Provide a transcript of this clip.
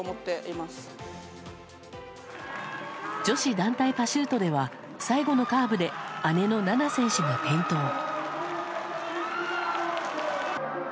女子団体パシュートでは最後のカーブで姉の菜那選手が転倒。